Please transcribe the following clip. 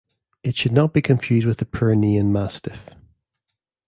It should not be confused with the Pyrenean Mastiff.